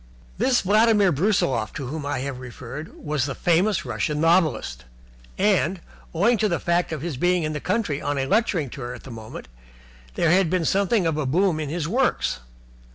This Vladimir Brusiloff to whom I have referred was the famous Russian novelist, and, owing to the fact of his being in the country on a lecturing tour at the moment, there had been something of a boom in his works.